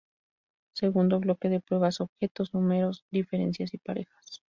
Segundo bloque de pruebas: objetos, números, diferencias y parejas.